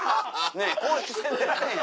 ねぇ公式戦出られへん。